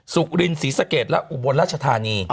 สุรินศรีสะเกดและอุบลราชธานี